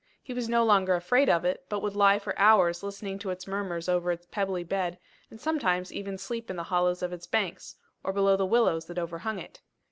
He was no longer afraid of it, but would lie for hours listening to its murmurs over its pebbly bed, and sometimes even sleep in the hollows of its banks, or below the willows that overhung it.